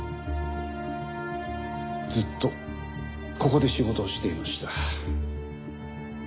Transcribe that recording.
ずっとここで仕事をしていました。